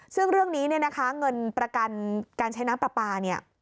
ซึ่งเรื่องนี้เนี่ยนะคะเงินประกันการใช้น้ำปลาปลาเนี่ย